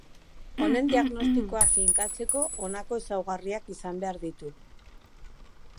Honen diagnostikoa finkatzeko honako ezaugarriak izan behar ditu.